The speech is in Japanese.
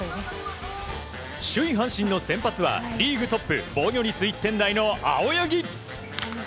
首位、阪神の先発はリーグトップ防御率１点台の青柳。